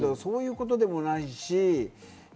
そういうことでもないし。